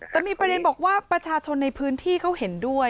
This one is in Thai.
แต่มีประเด็นบอกว่าประชาชนในพื้นที่เขาเห็นด้วย